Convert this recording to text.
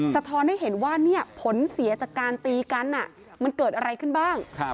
สะท้อนให้เห็นว่าผลเสียจากการตีกันมันเกิดอะไรขึ้นบ้าง